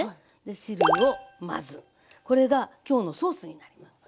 で汁をまずこれが今日のソースになります。